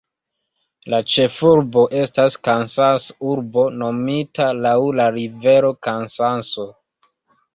La ĉefurbo estas Kansasurbo, nomita laŭ la rivero Kansaso.